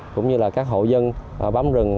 cũng như là các hộ dân bám rừng